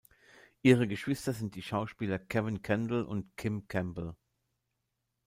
Ihre Geschwister sind die Schauspieler Cavan Kendall und Kim Campbell.